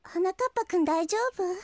ぱくんだいじょうぶ？